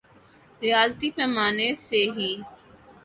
ریاضیاتی پیمانے سے ہی